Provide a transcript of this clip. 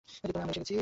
আমরা এসে গেছি!